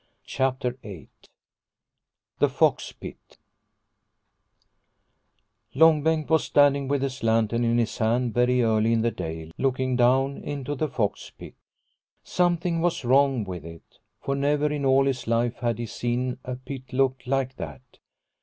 CHAPTER VIII THE FOX PIT ENG BENGT was standing with his lantern in his hand very early in the day looking down into the fox pit. Something was wrong with it, for never in all his life had he seen a pit look like that.